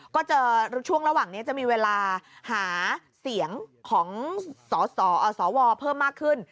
ก็เจอช่วงระหว่างนี้จะมีเวลาหาเสียงของสวเพิ่มมากขึ้น